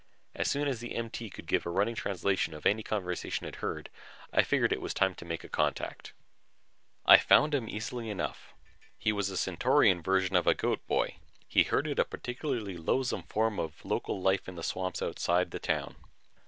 As soon as the MT could give a running translation of any conversation it heard, I figured it was time to make a contact. I found him easily enough. He was the Centaurian version of a goat boy he herded a particularly loathsome form of local life in the swamps outside the town.